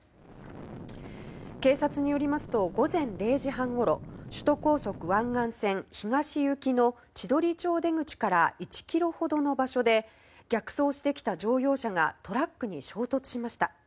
警察によりますと午前０時半ごろ首都高速湾岸線東行きの千鳥町出口から１ｋｍほどの場所で逆走してきた乗用車がトラックに衝突しました。